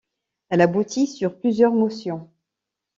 Elle aboutit sur plusieurs motions.